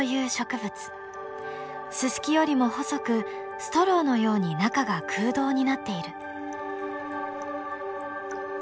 ススキよりも細くストローのように中が空洞になっている。